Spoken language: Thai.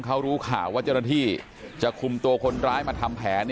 เขารู้ข่าวว่าเจ้าหน้าที่จะคุมตัวคนร้ายมาทำแผน